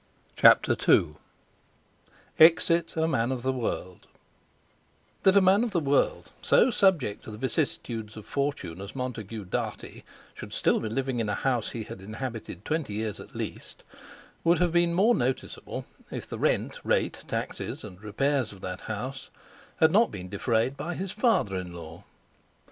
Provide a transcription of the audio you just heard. CHAPTER II EXIT A MAN OF THE WORLD That a man of the world so subject to the vicissitudes of fortunes as Montague Dartie should still be living in a house he had inhabited twenty years at least would have been more noticeable if the rent, rates, taxes, and repairs of that house had not been defrayed by his father in law.